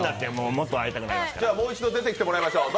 もう一度出てきてもらいましょう。